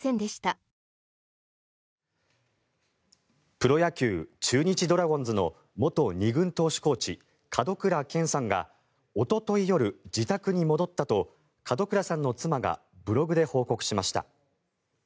プロ野球中日ドラゴンズの元２軍投手コーチ門倉健さんがおととい夜、自宅に戻ったと門倉さんの妻がブログで報告しました。